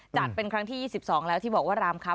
เป็นครั้งที่๒๒แล้วที่บอกว่ารามคำ